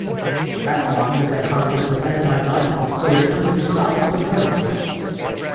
Atzmon has had conflicts with anti-Zionists who have attempted to stop his performances.